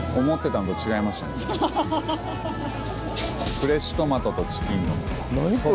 フレッシュトマトとチキンの。